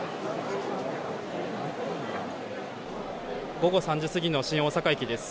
午後３時過ぎの新大阪駅です。